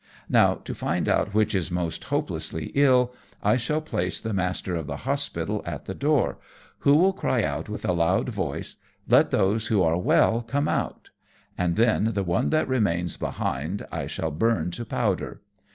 Now to find out which is most hopelessly ill, I shall place the master of the hospital at the door, who will cry with a loud voice, 'Let those who are well come out;' and then the one that remains behind I shall burn to powder.